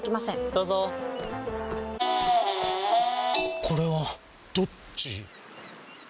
どうぞこれはどっち？